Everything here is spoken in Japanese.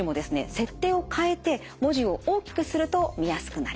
設定を変えて文字を大きくすると見やすくなります。